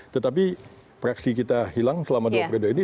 tetapi praksi kita hilang selama dua periode ini